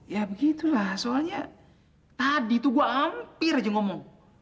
ya begitulah soalnya tadi tuh gue hampir aja ngomong